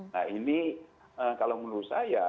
nah ini kalau menurut saya